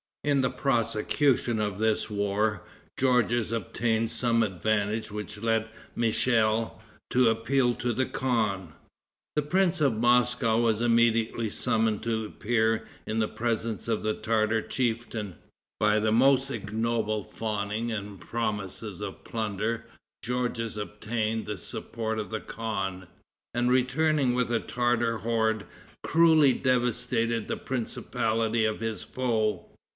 In the prosecution of this war, Georges obtained some advantage which led Michel to appeal to the khan. The prince of Moscow was immediately summoned to appear in the presence of the Tartar chieftain. By the most ignoble fawning and promises of plunder, Georges obtained the support of the khan, and returning with a Tartar horde, cruelly devastated the principality of his foe.